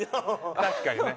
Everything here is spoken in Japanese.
確かにね。